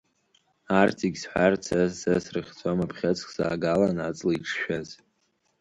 Арҭ зегь сҳәарцаз са срыхьӡома, бӷьыцк ҭагалан аҵла иҿшәаз.